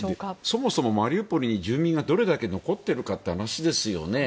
そもそもマリウポリに住民がどれだけ残っているかという話ですよね。